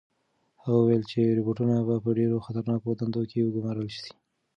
هغه وویل چې روبوټونه به په ډېرو خطرناکو دندو کې وګمارل شي.